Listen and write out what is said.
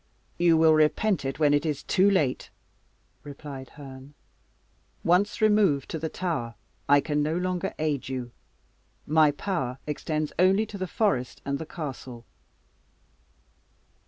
"You will repent it when it is too late," replied Herne. "Once removed to the Tower I can no longer aid you. My power extends only to the forest and the castle."